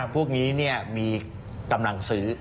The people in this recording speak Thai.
พวกนี้เนี่ยมีกำลังซื้อ